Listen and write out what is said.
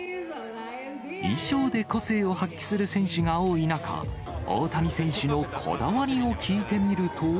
衣装で個性を発揮する選手が多い中、大谷選手のこだわりを聞いてみると。